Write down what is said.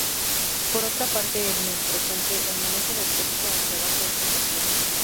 Por otra parte, en el presente, el manejo del texto hacia abajo es incompleto.